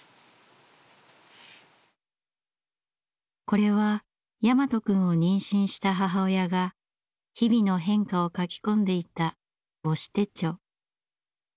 これは大和くんを妊娠した母親が日々の変化を書き込んでいた母子手帳。